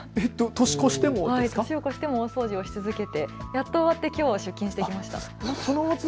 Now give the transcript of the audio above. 年を越しても大掃除し続けてやっと終わってきょうは出勤していました。